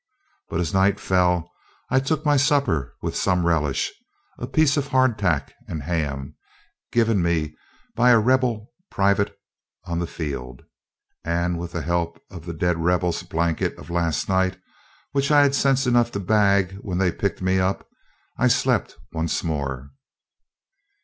But, as night fell, I took my supper with some relish, a piece of hard tack and ham, given me by a rebel private on the field, and with the help of the dead rebel's blanket of last night, which I had sense enough to bag when they picked me up, I slept once more.